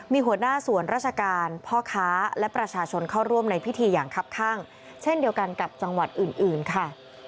มีหัวหน้าส่วนราชการพ่อค้าและประชาชนเข้าร่วมในพิธีอย่างครับข้างเช่นเดียวกันกับจังหวัดอื่นค่ะ